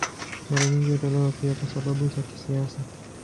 Mara nyingi hutolewa pia kwa sababu za kisiasa.